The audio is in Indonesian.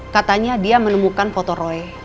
katanya dia menemukan foto roy